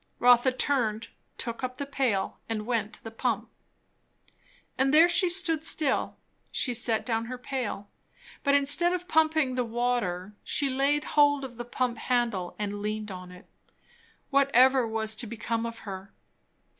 Rotha turned, took up the pail and went to the pump. And there she stood still She set down her pail, but instead of pumping the water, she laid hold of the pump handle and leaned upon it What ever was to become of her?